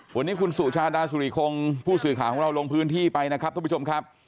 วันนี้คุณสุชาดาสุริคงผู้สื่อข่าวของเราลงพื้นที่ไปนะครับทุกผู้ชมครับ